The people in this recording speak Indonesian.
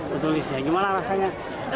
buku tulis ya gimana rasanya